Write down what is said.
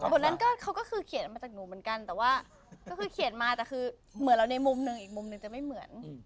บทนั้นก็เขาก็คือเขียนมาจากหนูเหมือนกันแต่ว่าก็คือเขียนมาแต่คือเหมือนเราในมุมหนึ่งอีกมุมหนึ่งจะไม่เหมือน